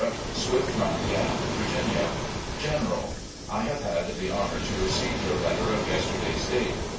Swift Run Gap, Virginia. '^'General: I have had the honour to receive your let ter of yesterday's date.